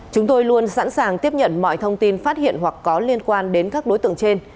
chúng tôi luôn sẵn sàng tiếp nhận mọi thông tin phát hiện hoặc có liên quan đến các đối tượng trên